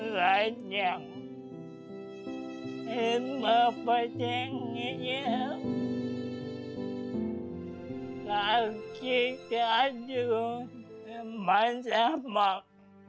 หลักที่การอยู่มันแซ่บมาก